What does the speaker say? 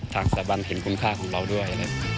ทางสถาบันเห็นกลุ่มค่าของเราด้วย